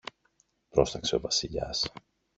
πρόσταξε ο Βασιλιάς.